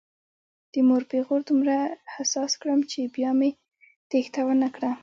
د مور پیغور دومره حساس کړم چې بیا مې تېښته ونه کړه.